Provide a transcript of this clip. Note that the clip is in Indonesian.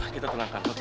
kita tenangkan oke